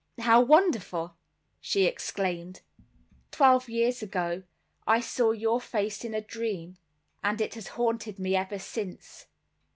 "How wonderful!" she exclaimed. "Twelve years ago, I saw your face in a dream, and it has haunted me ever since."